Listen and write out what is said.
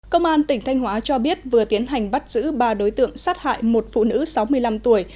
công an tỉnh thanh hóa cho biết vừa tiến hành bắt giữ ba đối tượng sát hại một phụ nữ sáu mươi năm tuổi